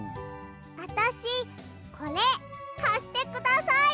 あたしこれかしてください。